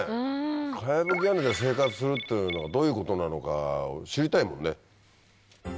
茅ぶき屋根で生活するっていうのはどういうことなのかを知りたいもんね。